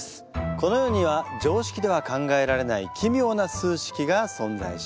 この世には常識では考えられないきみょうな数式が存在します。